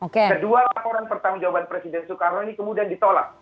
kedua laporan pertanggung jawaban presiden soekarno ini kemudian ditolak